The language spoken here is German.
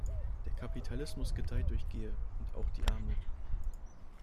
Der Kapitalismus gedeiht durch Gier, und auch die Armut.